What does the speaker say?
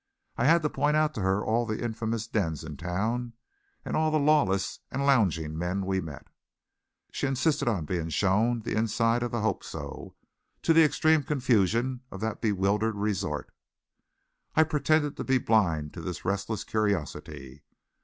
I had to point out to her all the infamous dens in town, and all the lawless and lounging men we met. She insisted upon being shown the inside of the Hope So, to the extreme confusion of that bewildered resort. I pretended to be blind to this restless curiosity.